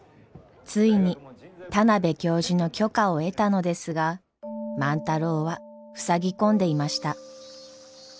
ついに田邊教授の許可を得たのですが万太郎はふさぎ込んでいました。